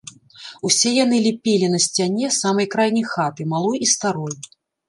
Усе яны ліпелі на сцяне самай крайняй хаты, малой і старой.